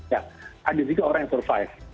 ya ada juga orang yang survive